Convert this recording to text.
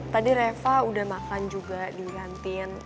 tadi reva udah makan juga di kantin